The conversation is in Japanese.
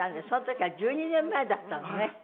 その時は１２年前だったのね。